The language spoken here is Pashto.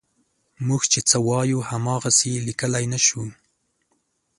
موږ چې څه وایو هماغسې یې لیکلی نه شو.